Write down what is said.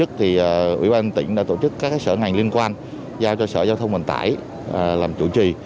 ủy ban tỉnh đã tổ chức các sở ngành liên quan giao cho sở giao thông vận tải làm chủ trì